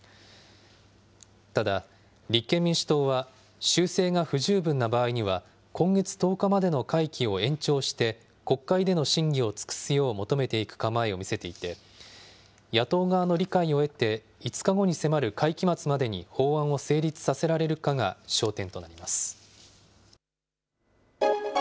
ただ、立憲民主党は、修正が不十分な場合には、今月１０日までの会期を延長して、国会での審議を尽くすよう求めていく構えを見せていて、野党側の理解を得て、５日後に迫る会期末までに法案を成立させられるかが焦点となります。